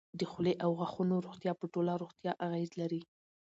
د خولې او غاښونو روغتیا په ټوله روغتیا اغېز لري.